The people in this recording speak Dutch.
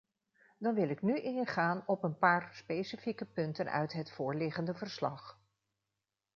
Dan wil ik nu ingaan op een paar specifieke punten uit het voorliggende verslag.